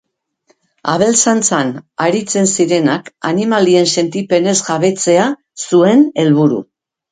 Abeltzaintzan aritzen zirenak animalien sentipenez jabetzea zuen helburu.